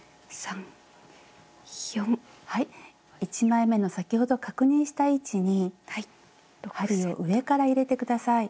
１枚めの先ほど確認した位置に針を上から入れて下さい。